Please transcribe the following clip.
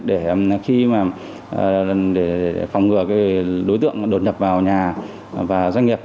để khi mà để phòng ngừa đối tượng đột nhập vào nhà và doanh nghiệp